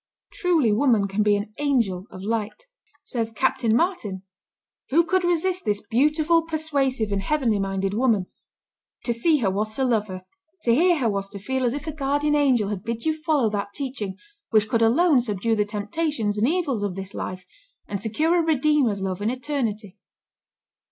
Truly woman can be an angel of light. Says Captain Martin, "Who could resist this beautiful, persuasive, and heavenly minded woman? To see her was to love her; to hear her was to feel as if a guardian angel had bid you follow that teaching which could alone subdue the temptations and evils of this life, and secure a Redeemer's love in eternity."